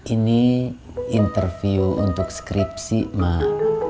ini interview untuk skripsi mak